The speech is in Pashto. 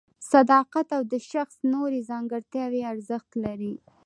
صداقت او د شخص نورې ځانګړتیاوې ارزښت لري.